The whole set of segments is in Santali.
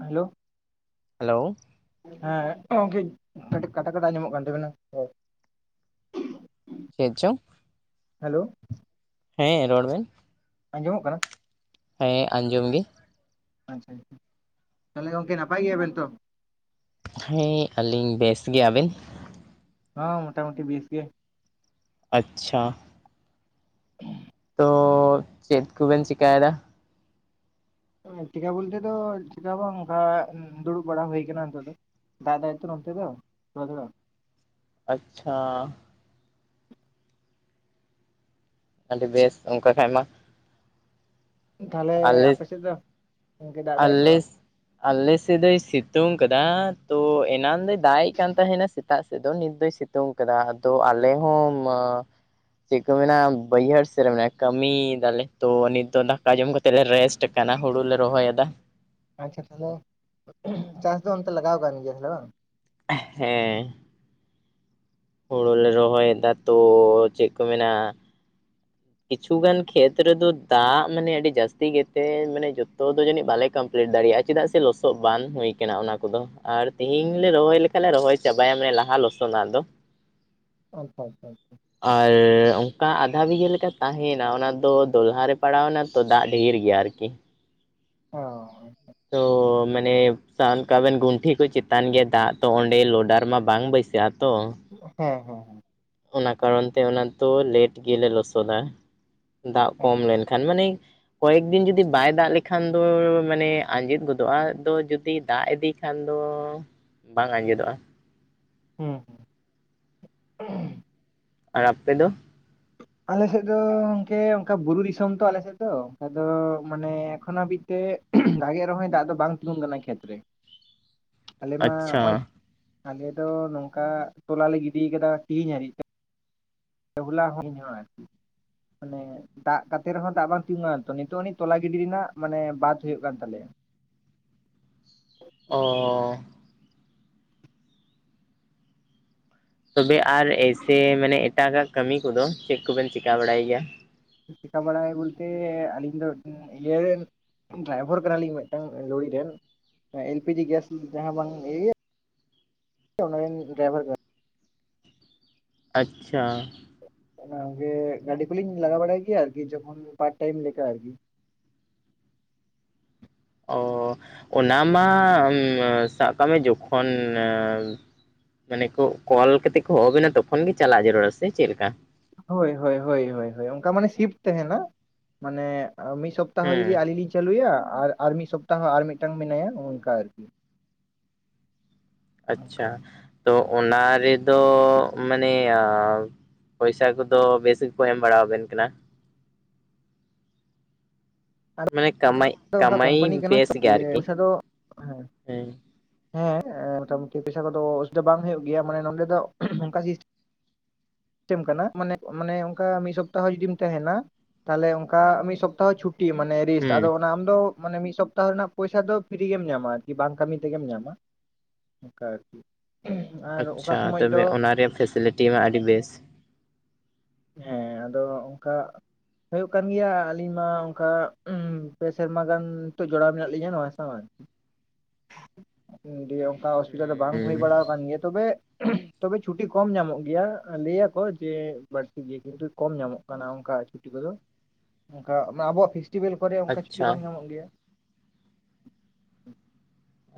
ᱦᱮᱞᱳ᱾ ᱦᱮᱞᱳ᱾ ᱦᱮᱸ ᱜᱚᱝᱠᱮ ᱠᱟᱹᱴᱤᱡ ᱠᱟᱴᱟ ᱠᱟᱴᱟ ᱟᱸᱡᱚᱢᱚᱜ ᱠᱟᱱ ᱛᱟᱵᱮᱱᱟ ᱨᱚᱲ᱾ ᱪᱮᱫᱪᱚᱝ? ᱦᱮᱞᱳ᱾ ᱦᱮᱸ ᱨᱚᱲ ᱵᱮᱱ᱾ ᱟᱸᱡᱚᱢᱚᱜ ᱠᱟᱱᱟ? ᱦᱮᱸ ᱟᱸᱡᱚᱢ ᱜᱮ᱾ ᱟᱪᱪᱷᱟ ᱟᱪᱪᱷᱟ, ᱛᱟᱞᱦᱮ ᱜᱚᱝᱠᱮ ᱱᱟᱯᱟᱭ ᱜᱮᱭᱟᱵᱮᱱ ᱛᱚ? ᱦᱮᱸ ᱟᱹᱞᱤᱧ ᱵᱮᱥ ᱜᱮ, ᱟᱵᱮᱱ? ᱦᱚᱸ, ᱢᱚᱴᱟᱢᱩᱴᱤ ᱵᱮᱥ ᱜᱮ᱾ ᱟᱪᱪᱷᱟ᱾ ᱛᱚ ᱪᱮᱫ ᱠᱚᱵᱮᱱ ᱪᱮᱠᱟᱭᱫᱟ? ᱪᱮᱠᱟ ᱵᱚᱞᱛᱮ ᱫᱚ ᱪᱤᱠᱟ ᱦᱚᱸ ᱵᱟᱝ, ᱚᱝᱠᱟ ᱫᱩᱲᱩᱵ ᱵᱟᱲᱟ ᱦᱩᱭ ᱟᱠᱟᱱᱟ ᱱᱤᱛᱚᱜ ᱫᱚ᱾ ᱫᱟᱹᱜ ᱫᱟᱭ ᱛᱚ ᱱᱚᱱᱛᱮ ᱫᱚ, ᱱᱚᱛᱮ ᱫᱚ᱾ ᱟᱪᱪᱷᱟ᱾ ᱟᱹᱰᱤ ᱵᱮᱥ ᱚᱝᱠᱟ ᱠᱷᱟᱡ ᱢᱟ᱾ ᱛᱟᱦᱞᱮ ᱟᱞᱮ ᱟᱯᱮᱥᱮᱫ ᱫᱚ ᱜᱚᱝᱠᱮ ᱫᱟᱜ ᱫᱟᱭ ᱥᱮ ᱟᱞᱮ ᱵᱟᱝ? ᱟᱞᱮ ᱥᱮᱫ ᱫᱚᱭ ᱥᱤᱛᱩᱝ ᱠᱟᱫᱟ᱾ ᱛᱚ, ᱮᱱᱟᱱ ᱫᱚᱭ ᱫᱟᱜ ᱮᱜ ᱠᱟᱱ ᱛᱟᱦᱮᱱᱟ ᱥᱮᱛᱟᱜ ᱥᱮᱫ ᱫᱚ ᱱᱤᱛ ᱫᱚᱭ ᱥᱤᱛᱩᱝ ᱛᱩᱝ ᱠᱟᱫᱟ᱾ ᱟᱫᱚ ᱟᱞᱮ ᱦᱚᱸ ᱢᱟ ᱪᱮᱫ ᱠᱚ ᱢᱮᱱᱟ ᱵᱟᱹᱭᱦᱟᱹᱲ ᱥᱮᱫ ᱨᱮ ᱢᱮᱱᱟ, ᱠᱟᱹᱢᱤᱭ ᱫᱟᱞᱮ ᱛᱚ ᱱᱤᱛᱚᱜ ᱫᱟ ᱫᱟᱠᱟ ᱡᱚᱢ ᱠᱟᱛᱮᱫ ᱞᱮ ᱨᱮᱥᱴ ᱟᱠᱟᱱᱟ ᱦᱩᱲᱩᱞᱮ ᱨᱚᱦᱚᱭᱮᱫᱟ᱾ ᱟᱪᱪᱷᱟ ᱛᱟᱞᱦᱮ ᱪᱟᱥ ᱫᱚ ᱚᱱᱛᱮ ᱞᱟᱜᱟᱣ ᱠᱟᱱ ᱜᱮᱭᱟ ᱛᱟᱞᱦᱮ ᱵᱟᱝ? ᱦᱮᱸ᱾ ᱦᱳᱲᱳ ᱞᱮ ᱨᱚᱦᱚᱭᱫᱟ ᱛᱚ, ᱪᱮᱫ ᱠᱚ ᱢᱮᱱᱟ ᱠᱤᱪᱷᱩ ᱜᱟᱱ ᱠᱷᱮᱛ ᱨᱮᱫᱚ ᱫᱟᱜ ᱢᱟᱱᱮ ᱟᱹᱰᱤ ᱡᱟᱹᱥᱛᱤ ᱜᱮᱛᱮ ᱢᱟᱱᱮ ᱡᱚᱛᱚ ᱫᱚ ᱡᱟᱱᱤᱡ ᱵᱟᱞᱮ ᱠᱟᱢ ᱯᱞᱤᱴ ᱫᱟᱲᱮᱭᱟᱜ-ᱟ ᱪᱮᱫᱟᱜ ᱥᱮ ᱞᱚᱥᱚᱫ ᱵᱟᱝ ᱦᱩᱭ ᱠᱟᱱᱟ ᱚᱱᱟ ᱠᱚᱫᱚ ᱟᱨ ᱛᱤᱦᱤᱧ ᱞᱮ ᱨᱚᱦᱚᱭ ᱞᱮᱠ [unintelligible] ᱨᱚᱦᱚᱭ ᱪᱟᱵᱟᱭ ᱢᱮ ᱞᱟᱦᱟ ᱞᱚᱥᱚᱫ ᱨᱮᱱᱟᱜ ᱫᱚ᱾ ᱟᱪᱪᱷᱟ ᱟᱪᱪᱷᱟ ᱟᱪᱪᱷᱟ᱾ ᱟᱨ ᱚᱝᱠᱟ ᱟᱫᱷᱟ ᱵᱤᱜᱷᱟᱹ ᱞᱮᱠᱟ᱾ ᱛᱟᱦᱩᱭᱱᱟ ᱚᱱᱟ ᱫᱚ ᱫᱚᱞᱦᱟ ᱨᱮ ᱯᱟᱲᱟᱣ ᱮᱱᱟ ᱛᱚ ᱫᱟᱜ ᱰᱷᱮᱨ ᱜᱮᱭᱟ ᱟᱨᱠᱤ᱾ ᱚ, ᱟᱪᱪᱷᱟ᱾ ᱛᱚ, ᱢᱟᱱᱮ ᱥᱟᱱᱠᱟᱜ ᱵᱮᱱ ᱜᱩᱱᱴᱷᱤ ᱠᱚ ᱪᱮᱛᱟᱱ ᱜᱮᱭᱟ ᱫᱟᱜ ᱛᱚ ᱚᱱᱰᱮ ᱞᱚᱰᱟᱨ ᱢᱟ ᱵᱟᱝ ᱵᱟᱹᱭᱥᱟᱹᱜ᱾ ᱜᱮᱭᱟ ᱛᱚ᱾ ᱦᱮᱸ ᱦᱮᱸ᱾ ᱚᱱᱟ ᱠᱟᱨᱚᱱ ᱛᱮ ᱚᱱᱟ ᱫᱚ ᱞᱮᱴ ᱜᱮᱞᱮ ᱞᱚᱥᱚᱫᱟ ᱾ ᱫᱟᱜ ᱦᱮᱸ ᱠᱚᱢ ᱞᱮᱱᱠᱷᱟᱱ ᱢᱟᱱᱮ ᱾ ᱠᱚᱭᱮᱠ ᱫᱤᱱ ᱡᱩᱫᱤ ᱵᱟᱭ ᱫᱟᱜ ᱞᱮᱠᱷᱟᱱ ᱫᱚ ᱢᱟᱱᱮ ᱟᱧᱡᱮᱫ ᱜᱚᱫᱚᱜ-ᱟ ᱫᱚ ᱡᱩᱫᱤ ᱫᱟᱜ ᱤᱫᱤ ᱮᱱᱠᱷᱟᱱ ᱫᱚ ᱵᱟᱝ ᱟᱡᱮᱫᱚᱜ-ᱟ ᱾ ᱦᱩᱸ᱾ ᱟᱨ ᱟᱯᱮ ᱫᱚ᱾ ᱟᱞᱮ ᱥᱮᱡ ᱫᱚ ᱜᱚᱝᱠᱮ ᱚᱱᱠᱟ ᱵᱩᱨᱩ ᱫᱤᱥᱚᱢ ᱛᱚ ᱟᱞᱮ ᱥᱮᱡ ᱫᱚ ᱟᱫᱚ ᱢᱟᱱᱮ ᱮᱠᱷᱚᱱ ᱦᱟᱹᱵᱤᱡ ᱛᱮ ᱵᱷᱟᱜᱮ ᱨᱮᱦᱚᱭ ᱫᱟᱜ ᱫᱚ ᱵᱟᱝ ᱛᱤᱸᱜᱩᱱ ᱠᱟᱱᱟ ᱠᱷᱮᱛ ᱨᱮ᱾ ᱟᱞᱮ ᱢᱟ ᱟᱪᱪᱷᱟ ᱱᱚᱜ-ᱚᱭ ᱟᱞᱮ ᱫᱚ ᱱᱚᱝᱠᱟ ᱛᱚᱞᱟ ᱞᱮ ᱜᱤᱰᱤ ᱟᱠᱟᱫᱟ ᱛᱮᱸᱦᱤᱧ ᱦᱟᱹᱨᱤᱡ ᱦᱚᱞᱟ ᱦᱚ ᱤᱧ ᱦᱚ ᱟᱹᱨᱠᱤ ᱢᱟᱱᱮ ᱫᱟᱜ ᱠᱟᱛᱮ ᱨᱮᱦᱚᱸ ᱫᱟᱜ ᱵᱟᱝ ᱛᱤᱜᱩᱱ ᱠᱟᱱᱟ ᱛᱚ ᱱᱤᱛᱚᱜ ᱟᱱᱤᱡ ᱛᱚᱞᱟ ᱜᱤᱰᱤ ᱨᱮᱱᱟᱜ ᱢᱟᱱᱮ ᱵᱟᱫ ᱦᱩᱭᱩᱜ ᱠᱟᱱ ᱛᱟᱞᱮᱭᱟ ᱾ ᱚᱻ᱾ ᱛᱚᱵᱮ ᱟᱨ ᱮᱭᱥᱮ ᱢᱟᱱᱮ ᱮᱴᱟᱜᱟᱜ ᱠᱟᱹᱢᱤ ᱠᱚᱫᱚ ᱪᱮᱫ ᱠᱚᱵᱮᱱ ᱪᱤᱠᱟ ᱵᱟᱲᱟᱭ ᱜᱮᱭᱟ ᱾ ᱪᱤᱠᱟ ᱵᱟᱲᱟᱭ ᱵᱚᱞᱛᱮ ᱟᱹᱞᱤᱧ ᱫᱚ ᱤᱭᱟᱹ ᱨᱮᱱ ᱰᱚᱨᱟᱭᱵᱷᱟᱨ ᱠᱟᱱᱟᱞᱤᱧ ᱢᱤᱫᱴᱟᱝ ᱞᱩᱲᱤ ᱨᱮᱱ᱾ ᱮᱞ ᱯᱤ ᱡᱤ ᱜᱮᱥ ᱡᱟᱦᱟᱸ ᱵᱟᱝ ᱤᱭᱟᱹ ᱚᱱᱟ ᱨᱮ ᱨᱮᱱ ᱰᱨᱟᱭᱵᱷᱟᱨ ᱠᱟᱱᱟ ᱾ ᱟᱪᱪᱷᱟ, ᱚᱱᱟ ᱜᱮ ᱜᱟᱹᱰᱤ ᱠᱚᱞᱤᱧ ᱞᱟᱜᱟ ᱵᱟᱲᱟᱭ ᱜᱮᱭᱟ ᱟᱹᱨᱠᱤ ᱡᱚᱠᱷᱚᱱ ᱯᱟᱨᱴ ᱴᱟᱭᱤᱢ ᱞᱮᱠᱟ ᱟᱹᱨᱠᱤ ᱾ ᱚᱻ ᱚᱱᱟ ᱢᱟ ᱥᱟᱵᱽ ᱠᱟᱜ ᱢᱮ ᱡᱚᱠᱷᱚᱱ᱾ ᱢᱟᱱᱮ ᱠᱚ ᱠᱚᱞ ᱠᱟᱛᱮ ᱦᱚᱸ ᱦᱚᱸ ᱟᱵᱤᱱᱟ ᱛᱚᱠᱷᱚᱱ ᱜᱮ ᱪᱟᱞᱟᱜ ᱡᱟᱹᱨᱩᱲᱟ ᱥᱮ ᱪᱮᱫ ᱞᱮᱠᱟ ᱾ ᱦᱳᱭ ᱦᱳᱭ ᱦᱳᱭ ᱚᱱᱠᱟ ᱢᱟᱱᱮ ᱥᱤᱯᱴ ᱛᱟᱦᱮᱸᱱᱟ ᱢᱟᱱᱮ ᱢᱤᱫ ᱥᱚᱯ ᱥᱚᱯᱛᱟ ᱦᱚᱸ ᱦᱮᱸ ᱡᱩᱫᱤ ᱟᱹᱞᱤᱧ ᱞᱤᱧ ᱪᱟᱹᱞᱩᱭᱟ ᱟᱨ ᱟᱨ ᱢᱤᱫ ᱥᱚᱯᱛᱟ ᱦᱚᱸ ᱟᱨ ᱢᱤᱫᱴᱟᱝ ᱢᱮᱱᱟᱭᱟ ᱚᱱᱠᱟ ᱟᱹᱨᱠᱤ ᱾ ᱚᱱᱠᱟ ᱟᱪᱪᱷᱟ ᱛᱚ ᱚᱱᱟ ᱨᱮᱫᱚ ᱢᱟᱱᱮ ᱟ ᱯᱚᱭᱥᱟ ᱠᱚᱫᱚ ᱵᱮᱥ ᱜᱮᱠᱚ ᱮᱢ ᱵᱟᱲᱟ ᱟᱵᱮᱱ ᱠᱟᱱᱟ ᱾ ᱢᱟᱱᱮ ᱠᱟᱢᱟᱭ᱾ ᱚᱱᱠᱟ ᱠᱟᱢᱟᱭ ᱠᱳᱢᱯᱟᱱᱤ ᱠᱟᱱᱟ ᱵᱮᱥ ᱛᱚ ᱜᱮ ᱫᱤᱭᱮᱹ ᱟᱨᱠᱤ ᱯᱚᱭᱥᱟ ᱫᱚ ᱦᱮᱸ᱾ ᱦᱮᱸ ᱢᱚᱴᱟ ᱢᱩᱴᱤ ᱯᱚᱭᱥᱟ ᱠᱚᱫᱚ ᱚᱥᱩᱵᱤᱫᱷᱟ ᱵᱟᱝ ᱦᱩᱭᱩᱜ ᱜᱮᱭᱟ ᱢᱟᱱᱮ ᱱᱚᱸᱰᱮ ᱫᱚ ᱚᱱᱠᱟ ᱥᱤᱥ ᱴᱮᱢ ᱠᱟᱱᱟ ᱢᱟᱱᱮ ᱢᱟᱱᱮ ᱚᱱᱠᱟ ᱢᱤᱫ ᱥᱚᱯᱛᱟ ᱦᱚᱸ ᱡᱩᱫᱤᱢ ᱛᱟᱦᱮᱸᱱᱟ ᱾ ᱛᱟᱦᱚᱸᱞᱮ ᱚᱱᱠᱟ ᱢᱤᱫ ᱥᱚᱯᱛᱟ ᱦᱚᱸ ᱪᱷᱩᱴᱤ ᱢᱟᱱᱮ ᱨᱮᱥᱴ ᱟᱫᱚ ᱦᱩᱸ ᱟᱢ ᱫᱚ ᱢᱟᱱᱮ ᱢᱤᱫ ᱥᱚᱯᱛᱟ ᱦᱚᱸ ᱨᱮᱱᱟᱜ ᱯᱚᱭᱥᱟ ᱫᱚ ᱯᱷᱤᱨᱤ ᱜᱮᱢ ᱧᱟᱢᱟ ᱟᱹᱨᱠᱤ ᱵᱟᱝ ᱠᱟᱹᱢᱤ ᱛᱮᱜᱮᱢ ᱧᱟᱢᱟ ᱾ ᱚᱱᱠᱟ ᱟᱹᱨᱠᱤ ᱾ ᱟᱪᱪᱷᱟ ᱛᱚᱵᱮ ᱚᱱᱟ ᱨᱮᱭᱟᱜ ᱯᱷᱮᱥᱮᱞᱤᱴᱤ ᱢᱟ ᱟᱹᱰᱤ ᱵᱮᱥ᱾ [inaudible] ᱦᱮᱸ ᱟᱫᱚ ᱚᱱᱠᱟ ᱦᱩᱭᱩᱜ ᱠᱟᱱ ᱜᱮᱭᱟ ᱟᱹᱞᱤᱧ ᱢᱟ ᱚᱱᱠᱟ ᱩ ᱯᱮ ᱥᱮᱨᱢᱟ ᱜᱟᱱ ᱱᱤᱛᱚᱜ ᱡᱚᱲᱟᱣ ᱢᱮᱱᱟᱜ ᱞᱤᱧᱟᱹ ᱱᱚᱣᱟ ᱥᱟᱶ ᱟᱹᱨᱠᱤ ᱾ ᱫᱤᱭᱮ ᱚᱱᱠᱟ ᱚᱥᱩᱵᱤᱫᱟ ᱫᱚ ᱵᱟᱝ ᱦᱩᱭ ᱦᱩᱸ ᱵᱟᱲᱟ ᱠᱟᱱ ᱜᱮᱭᱟ ᱛᱚᱵᱮ ᱛᱚᱵᱮ ᱪᱷᱩᱴᱤ ᱠᱚᱢ ᱧᱟᱢᱚᱜ ᱜᱮᱭᱟ, ᱞᱟᱹᱭ ᱭᱟᱠᱚ ᱡᱮ ᱵᱟᱹᱲᱛᱤ ᱜᱮᱭᱟ ᱠᱤᱱᱛᱩ ᱠᱚᱢ ᱧᱟᱢᱚᱜ ᱠᱟᱱᱟ ᱚᱱᱠᱟ ᱟᱹᱨᱠᱤ ᱾ ᱪᱷᱩᱴᱤ ᱠᱚᱫᱚ ᱚᱱᱠᱟ ᱟᱵᱚᱣᱟᱜ ᱯᱷᱮᱥᱴᱤᱵᱮᱞ ᱠᱚᱨᱮ ᱚᱱᱠᱟ ᱪᱷᱩᱴᱤ ᱟᱪᱪᱷᱟ ᱵᱟᱝ ᱧᱟᱢᱚᱜ ᱜᱮᱭᱟ ᱾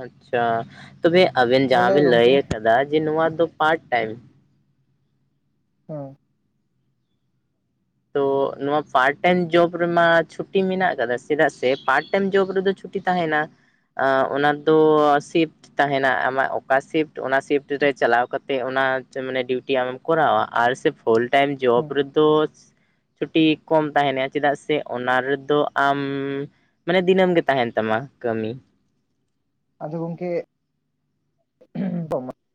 ᱟᱪᱪᱷᱟ ᱛᱚᱵᱮ ᱟᱵᱮᱱ ᱡᱟᱦᱟᱸ ᱛᱟᱦᱚᱞᱮ ᱵᱤᱱ ᱞᱟᱹᱭ ᱜᱚᱝᱠᱮ ᱟᱠᱟᱫᱟ ᱡᱮ ᱱᱚᱣᱟ ᱫᱚ ᱯᱟᱴ ᱴᱟᱭᱤᱢ᱾ ᱦᱮᱸ᱾ ᱛᱚ ᱱᱚᱣᱟ ᱯᱟᱨᱴ ᱴᱟᱭᱤᱢ ᱡᱚᱵ ᱨᱮᱢᱟ ᱪᱷᱩ, ᱪᱷᱩᱴᱤ ᱢᱮᱱᱟᱜ ᱟᱠᱟᱫᱟ ᱪᱮᱫᱟᱜ ᱥᱮ ᱯᱟᱨᱴ ᱴᱟᱭᱤᱢ ᱡᱚᱵ ᱨᱮᱫᱚ ᱪᱷᱩᱴᱤ ᱛᱟᱦᱮᱱᱟ᱾ ᱟ ᱚᱱᱟᱫᱚ ᱥᱤᱵᱽ, ᱛᱟᱦᱮᱱᱟ ᱟᱢᱟᱜ ᱚᱠᱟ ᱥᱤᱯᱴ ᱚᱱᱟ ᱥᱤᱯᱴ ᱨᱮ ᱪᱟᱞᱟᱣ ᱠᱟᱛᱮᱜ ᱚᱱᱟ ᱢᱟᱱᱮ ᱰᱤᱭᱩᱴᱤ ᱟᱢᱮᱢ ᱠᱚᱨᱟᱣᱟ ᱟᱨ ᱥᱮᱯᱴ ᱯᱷᱩᱞ ᱴᱟᱭᱤᱢ ᱡᱚᱵ ᱦᱮᱸ ᱨᱮᱫᱚᱥ ᱪᱷᱩᱴᱤ ᱠᱚᱢ ᱛᱟᱦᱮᱱᱟ ᱪᱮᱫᱟᱜ ᱥᱮ ᱚᱱᱟ ᱨᱮᱫᱚ ᱟᱢ ᱢᱟᱱᱮ ᱫᱤᱱᱟᱹᱢ ᱜᱮ ᱛᱟᱦᱮᱱ ᱛᱟᱢᱟ ᱠᱟᱹᱢᱤ᱾ ᱟᱫᱚ ᱜᱚᱝᱠᱮ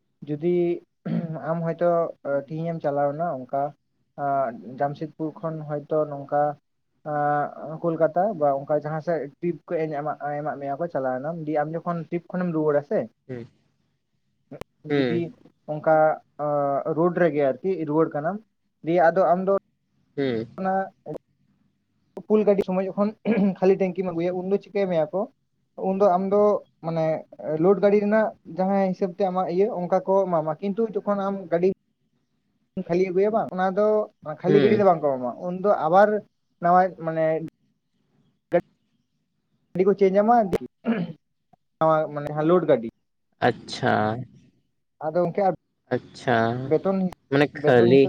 [inaudible] ᱡᱚᱫᱤ ᱟᱢ ᱦᱚᱭᱛᱚ ᱛᱮᱦᱤᱧ ᱮᱢ ᱪᱟᱞᱟᱣᱱᱟ ᱚᱝᱠᱟ ᱟᱸ ᱡᱟᱢᱥᱮᱫᱽᱯᱩᱨ ᱠᱷᱚᱱ ᱦᱚᱭᱛᱚ ᱱᱚᱝᱠᱟ ᱮᱸ ᱠᱳᱞᱠᱟᱛᱟ ᱵᱟ ᱚᱝᱠᱟ ᱡᱟᱦᱟᱸᱥᱮᱜ ᱴᱤᱯ ᱠᱟᱹᱜ ᱮᱟᱜ ᱮᱢᱟᱜ ᱢᱮᱭᱟ ᱠᱚ ᱪᱟᱞᱟᱣᱮᱱᱟᱢ ᱫᱤᱭᱮ ᱟᱢ ᱡᱚ ᱠᱷᱚᱱ ᱴᱤᱯ ᱠᱷᱚᱱᱮᱢ ᱨᱩᱣᱟᱹᱲᱟ ᱥᱮ ᱦᱩᱸ ᱦᱩᱸ ᱡᱩᱫᱤ ᱚᱝᱠᱟ ᱟᱸ ᱨᱳᱰ ᱨᱮᱜᱮ ᱟᱨᱠᱤ ᱨᱩᱣᱟᱹᱲ ᱠᱟᱱᱟᱢ ᱫᱤᱭᱮ ᱟᱫᱚ ᱟᱢ ᱫᱚ ᱦᱩᱸ [inaudible] ᱯᱷᱩᱞ ᱜᱟᱹᱰᱤ ᱥᱚᱢᱚᱭ ᱡᱚᱠᱷᱚᱱ ᱠᱷᱟᱹᱞᱤ ᱴᱮᱝᱠᱤᱢ ᱟᱹᱜᱩᱭᱟ ᱩᱱ ᱫᱚ ᱪᱤᱠᱟᱹ ᱢᱮᱭᱟ ᱠᱚ ᱩᱱᱫᱚ ᱟᱢᱫᱚ ᱢᱟᱱᱮ ᱞᱳᱰ ᱜᱟᱹᱰᱤ ᱨᱮᱱᱟᱜ ᱡᱟᱦᱟᱸᱭ ᱦᱤᱥᱟᱹᱵ ᱛᱮ ᱟᱢᱟᱜ ᱤᱭᱟᱹ ᱚᱝᱠᱟ ᱠᱚ ᱮᱢᱟᱢᱟ ᱠᱤᱱᱛᱩ ᱡᱚᱠᱷᱚᱱ ᱟᱢ ᱜᱟᱹᱰᱤ ᱠᱷᱟᱹᱞᱤ ᱟᱹᱜᱩᱭᱟ ᱵᱟᱝ ᱚᱱᱟ ᱫᱚ ᱠᱷᱟᱹᱞᱤ ᱜᱟᱹᱰᱤ ᱦᱩᱸ ᱫᱚ ᱵᱟᱝ ᱠᱚ ᱮᱢᱚᱜᱼᱟ ᱩᱱᱫᱚ ᱟᱵᱟᱨ ᱱᱟᱣᱟ ᱢᱟᱱᱮ ᱰᱤ ᱠᱚ ᱪᱮᱧᱡ ᱟᱢᱟ [inaudible] ᱞᱳᱰ ᱜᱟᱹᱰᱤ ᱟᱪᱪᱷᱟ᱾ ᱟᱫᱚ ᱚᱝᱠᱮ ᱟ ᱟᱪᱪᱷᱟ ᱢᱟᱱᱮ ᱵᱮᱛᱚᱱ ᱠᱷᱟᱹᱞᱤ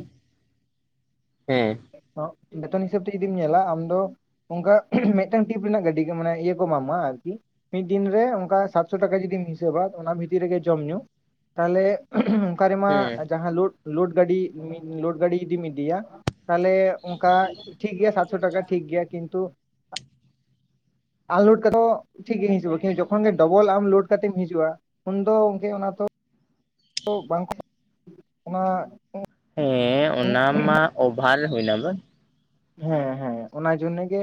ᱦᱮᱸ᱾ ᱚᱸ ᱵᱮᱛᱚᱱ ᱦᱤᱥᱟᱹᱵ ᱛᱮ ᱡᱩᱫᱤᱢ ᱧᱮᱞᱟ ᱟᱢ ᱫᱚ ᱚᱝᱠᱟ ᱢᱤᱫᱴᱟᱝ ᱴᱤᱯ ᱨᱮᱱᱟᱜ ᱜᱟᱹᱰᱤ ᱢᱟᱱᱮ ᱤᱭᱟᱹ ᱠᱚ ᱮᱢᱟᱢᱟ ᱟᱨᱠᱤ ᱢᱤᱫ ᱫᱤᱱ ᱨᱮ ᱚᱝᱠᱟ ᱥᱟᱛᱥᱚ ᱴᱟᱠᱟ ᱡᱩᱫᱤᱢ ᱦᱤᱥᱟᱹᱵᱟ ᱚᱱᱟ ᱵᱷᱤᱛᱤᱨ ᱨᱮᱜᱮ ᱡᱚᱢ ᱧᱩ᱾ ᱛᱟᱦᱞᱮ ᱚᱝᱠᱟ ᱨᱮᱢᱟ ᱦᱮᱸ ᱡᱟᱦᱟᱸ ᱞᱳ ᱞᱳᱰ ᱜᱟᱹᱰᱤ ᱞᱳᱰ ᱜᱟᱹᱰᱤ ᱤᱫᱤᱢ ᱤᱫᱤᱭᱟ ᱛᱟᱦᱞᱮ ᱚᱝᱠᱟ ᱴᱷᱤᱠ ᱜᱮᱭᱟ ᱥᱟᱛᱥᱚ ᱴᱟᱠᱟ ᱴᱷᱤᱠ ᱜᱮᱭᱟ ᱠᱤᱱᱛᱩ ᱟᱱ ᱞᱳᱰ [unintelligible] ᱴᱷᱤᱠ ᱜᱤᱧ ᱦᱤᱡᱩᱜᱼᱟ ᱠᱤᱱᱛᱩ ᱡᱚᱠᱷᱚᱱ ᱜᱮ ᱰᱚᱵᱚᱞ ᱟᱢ ᱞᱳᱰ ᱠᱟᱛᱮᱢ ᱦᱤᱡᱩᱜᱼᱟ ᱩᱱᱫᱚ ᱚᱝᱠᱮ ᱚᱱᱟ ᱛᱚ ᱛᱚ ᱵᱟᱝᱠᱚ ᱚᱱᱟ ᱦᱮᱸ ᱚᱱᱟ ᱢᱟ ᱚᱵᱷᱟᱨ ᱦᱩᱭᱱᱟ ᱵᱟᱝ᱾ ᱦᱮᱸ ᱦᱮᱸ ᱚᱱᱟ ᱡᱚᱱᱱᱮ ᱜᱮ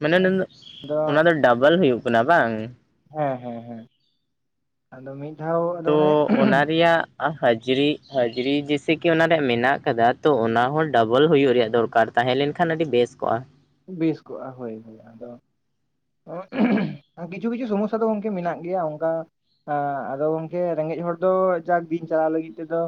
ᱢᱟᱱᱮ ᱱᱩᱱᱟᱹᱜ ᱟᱫᱚ ᱚᱱᱟ ᱫᱚ ᱰᱟᱵᱚᱞ ᱦᱩᱭᱩᱜ ᱠᱟᱱᱟ ᱵᱟᱝ? ᱦᱮᱸ ᱦᱮᱸ ᱦᱮᱸ ᱟᱫᱚ ᱢᱤᱫ ᱫᱷᱟᱣ ᱟᱫᱚ ᱚᱱᱮ ᱟ ᱦᱟᱹᱡᱨᱤ, ᱦᱟᱹᱡᱨᱤ ᱡᱮᱥᱮ ᱠᱤ ᱚᱱᱟ ᱨᱮ ᱢᱮᱱᱟᱜ ᱠᱟᱫᱟ ᱛᱚ ᱚᱱᱟ ᱦᱚᱸ ᱰᱚᱵᱚᱞ ᱦᱩᱭᱩᱜ ᱨᱮᱭᱟᱜ ᱫᱚᱨᱠᱟᱨ᱾ ᱛᱟᱦᱮᱸ ᱞᱮᱱᱠᱷᱟᱱ ᱟᱹᱰᱤ ᱵᱮᱥ ᱠᱚᱜᱼᱟ᱾ ᱵᱮᱥ ᱠᱚᱜᱼᱟ ᱦᱳᱭ ᱦᱳᱭ ᱟᱫᱚ ᱠᱤᱪᱷᱩ ᱠᱤᱪᱷᱩ ᱥᱚᱢᱚᱥᱟ ᱫᱚ ᱜᱚᱝᱠᱮ ᱢᱮᱱᱟᱜ ᱜᱮᱭᱟ ᱚᱝᱠᱟ ᱟᱸ ᱟᱫᱚ ᱜᱚᱝᱠᱮ ᱨᱮᱸᱜᱮᱡ ᱦᱚᱲ ᱫᱚ ᱡᱟᱠ ᱫᱤᱱ ᱪᱟᱞᱟᱣ ᱞᱟᱹᱜᱤᱫ ᱛᱮᱫᱚ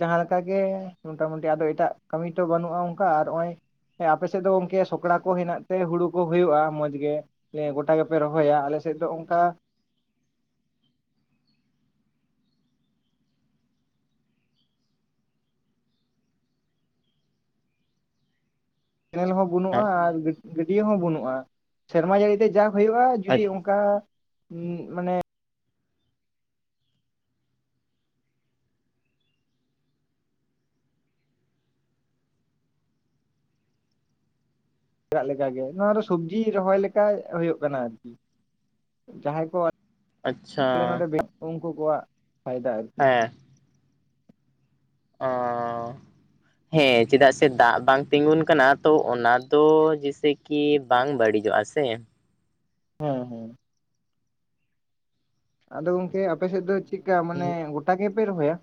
ᱡᱟᱦᱟᱸᱞᱮᱠᱟ ᱜᱮ ᱢᱚᱴᱟᱢᱩᱴᱤ ᱟᱫᱚ ᱮᱴᱟᱜ ᱠᱟᱹᱢᱤ ᱛᱚ ᱵᱟᱹᱱᱩᱜᱼᱟ ᱚᱝᱠᱟ ᱟᱨ ᱦᱚᱸᱜᱼᱚᱭ ᱦᱮᱸ ᱟᱯᱮᱥᱮᱜ ᱫᱚ ᱜᱚᱝᱠᱮ ᱥᱚᱠᱲᱟ ᱠᱚ ᱦᱮᱱᱟᱜ ᱛᱮ ᱦᱩᱲᱩ ᱠᱚ ᱦᱩᱭᱩᱜᱼᱟ ᱢᱚᱸᱡᱽ ᱜᱮ᱾ ᱥᱮ ᱜᱚᱴᱟ ᱜᱮᱯᱮ ᱨᱚᱦᱚᱭᱟ ᱟᱞᱮᱥᱮᱜ ᱫᱚ ᱚᱝᱠᱟ ᱠᱮᱱᱮᱞ ᱦᱚᱸ ᱵᱩᱱᱩᱜᱼᱟ ᱟᱨ ᱜᱟᱹᱰᱭᱟᱹ ᱦᱚᱸ ᱵᱩᱱᱩᱜᱼᱟ ᱥᱮᱨᱢᱟ ᱡᱟᱹᱲᱤ ᱛᱮ ᱡᱟ ᱦᱩᱭᱩᱜᱼᱟ ᱡᱩᱫᱤ ᱚᱝ ᱠᱟ ᱩᱸ ᱢᱟᱱᱮ [inaudible] ᱞᱮᱠᱟᱜᱮ ᱱᱚᱣᱟ ᱥᱚᱵᱡᱤ ᱨᱚᱦᱚᱭ ᱞᱮᱠᱟ ᱦᱩᱭᱩᱜ ᱠᱟᱱᱟ ᱟᱨᱠᱤ ᱡᱟᱦᱟᱸᱭ ᱠᱚ ᱟᱪᱪᱷᱟ ᱟᱞᱮ ᱱᱚᱸᱰᱮ ᱩᱝᱠᱩ ᱠᱚᱣᱟᱜ ᱯᱷᱟᱭᱫᱟ ᱟᱨ ᱦᱮᱸ᱾ [unintelligible] ᱦᱮᱸ ᱪᱮᱫᱟᱜ ᱥᱮ ᱫᱟᱜ ᱵᱟᱝ ᱛᱤᱸᱜᱩᱱ ᱠᱟᱱᱟ ᱛᱚ ᱚᱱᱟ ᱫᱚ ᱡᱮᱥᱮ ᱠᱤ ᱵᱟᱝ ᱵᱟᱹᱲᱤᱡᱚᱜᱼᱟ ᱥᱮ᱾ ᱦᱩᱸ ᱦᱩᱸ ᱟᱫᱚ ᱜᱚᱝᱠᱮ ᱟᱯᱮᱥᱮᱫ ᱫᱚ ᱪᱤᱜᱠᱟ ᱢᱟᱱᱮ ᱜᱚᱴᱟ ᱜᱮᱯᱮ ᱨᱚᱦᱚᱭᱟ?